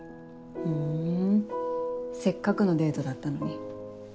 ふんせっかくのデートだったのに。